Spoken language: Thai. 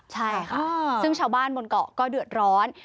ใช่ค่ะซึ่งชาวบ้านบนเกาะก็เดือดร้อน